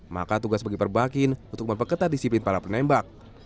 maka tugas bagi perbakin untuk memperketat disiplin para penembak